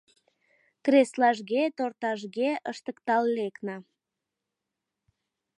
Креслажге, тортажге ыштыктал лекна.